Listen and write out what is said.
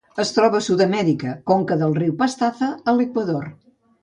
Es troba a Sud-amèrica: conca del riu Pastaza a l'Equador.